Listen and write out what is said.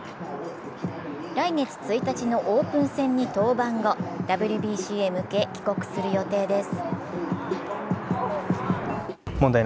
来月１日のオープン戦に登板後、ＷＢＣへ向け帰国する予定です。